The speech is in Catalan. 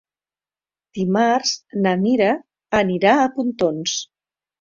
Dimarts na Mira anirà a Pontons.